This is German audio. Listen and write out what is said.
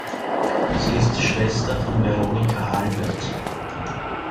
Sie ist die Schwester von Veronika Albert.